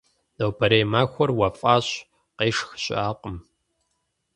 Нобэрей махуэр уэфӀащ, къешх щыӀакъым.